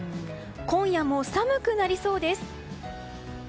今夜も寒くなりそうです。